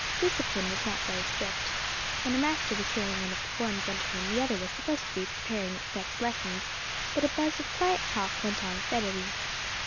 Discipline was not very strict. When a master was hearing one of the forms under him the other was supposed to be preparing its next lessons, but a buzz of quiet talk went on steadily.